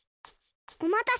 おまたせ。